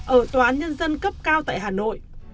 ở toán nhân dân cấp cao tại hà nội